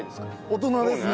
大人ですね。